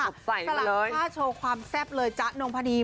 สลักผ้าโชว์ความแซ่บเลยจ๊ะนงพนี